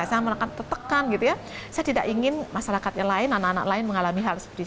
saya merasa tertekan gitu ya saya tidak ingin masyarakat yang lain anak anak lain mengalami hal seperti